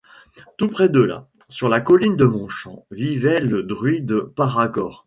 Tout près de là, sur la colline de Montchamp, vivait le druide Paragor.